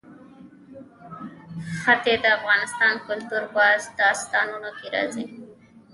ښتې د افغان کلتور په داستانونو کې راځي.